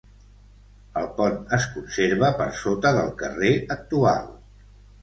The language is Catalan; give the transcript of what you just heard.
El pont es conserva per sota del carrer actual.